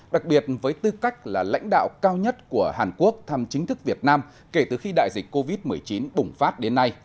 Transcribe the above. đặc biệt với tư cách là lãnh đạo cao nhất của hàn quốc thăm chính thức việt nam kể từ khi đại dịch covid một mươi chín bùng phát đến nay